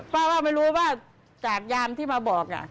ว่าไม่รู้ว่าจากยามที่มาบอกน่ะ